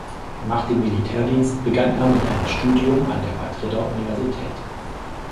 Nach dem Militärdienst begann er mit einem Studium an der Madrider Universität.